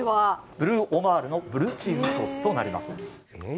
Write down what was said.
ブルーオマールのブルーチーズソースとなります。